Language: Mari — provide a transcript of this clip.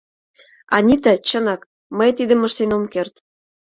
Анита, чынак, мый тидым ыштен ом керт.